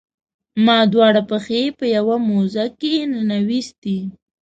ما دواړه پښې په یوه موزه کې ننویستي.